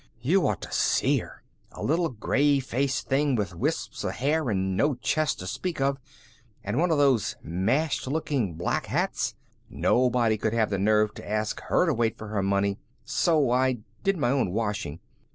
You ought to see her! A little, gray faced thing, with wisps of hair, and no chest to speak of, and one of those mashed looking black hats. Nobody could have the nerve to ask her to wait for her money. So I did my own washing.